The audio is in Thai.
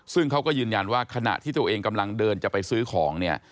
ซึ่งเขาก็ยืนยันว่าขณะที่ตัวเองกำลังเดินจะไปซื้อของเนี่ย